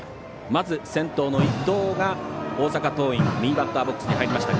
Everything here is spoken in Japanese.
まず先頭の伊藤が大阪桐蔭右バッターボックスに入りました。